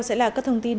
sẽ là các thông tin